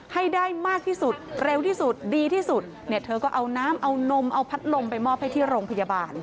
ให้ได้มากที่สุดเร็วที่สุดดีที่สุดเนี่ยเธอก็เอาน้ำเอานมเอาพัดลมไปมอบให้ที่โรงพยาบาล